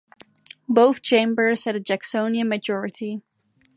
Both chambers had a Jacksonian majority.